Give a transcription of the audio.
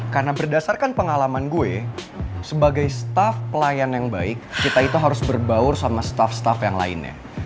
karena berdasarkan pengalaman gue sebagai staf pelayan yang baik kita itu harus berbaur sama staf staf yang lainnya